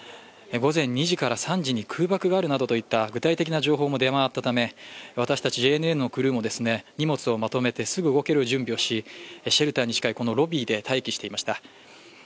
午前２時から３時に空爆があるなどといった具体的な情報もあったため私たちＪＮＮのクルーも荷物をまとめてすぐ動ける準備をし、シェルターに近いこのロビーで待機していました。